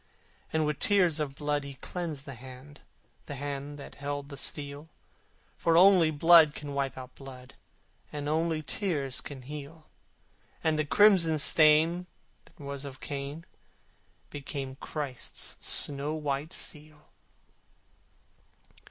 And with tears of blood he cleansed the hand, The hand that held the steel: For only blood can wipe out blood, And only tears can heal: And the crimson stain that was of Cain Became Christ's snow white seal.